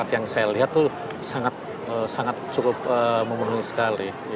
yang saya lihat itu sangat cukup memenuhi sekali